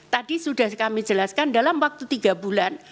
tadi sudah kami jelaskan dalam waktu tiga bulan